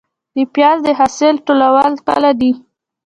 د پیاز د حاصل ټولول کله دي؟